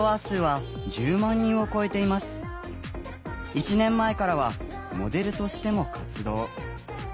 １年前からはモデルとしても活動。